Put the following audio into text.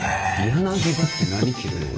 柳刃って何切るの？